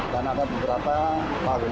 dan ada beberapa